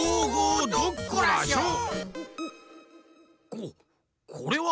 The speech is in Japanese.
ここれは！